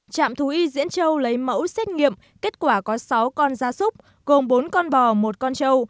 trạm thú y diễn châu lấy mẫu xét nghiệm kết quả có sáu con da súc gồm bốn con bò một con trâu